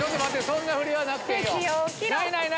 そんなふりはなくていいよ。